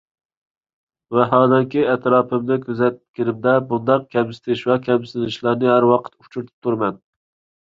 ۋاھالەنكى، ئەتراپىمنى كۆزەتكىنىمدە بۇنداق كەمسىتىش ۋە كەمسىنىشلەرنى ھەر ۋاقىت ئۇچرىتىپ تۇرىمەن.